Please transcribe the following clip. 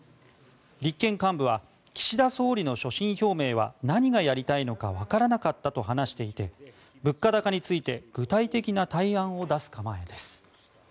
立憲幹部は岸田総理の所信表明は何がやりたいのかわからなかったと話していて物価高について具体的な対案を出す構えです。